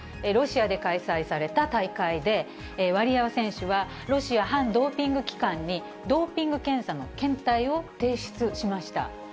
ロシアで開催された大会で、ワリエワ選手はロシア反ドーピング機関に、ドーピング検査の検体を提出しました。